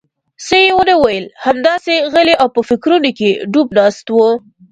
څه یې ونه ویل، همداسې غلی او په فکرونو کې ډوب ناست و.